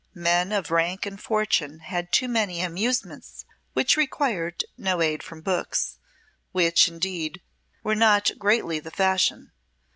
Men of rank and fortune had too many amusements which required no aid from books, which, indeed, were not greatly the fashion.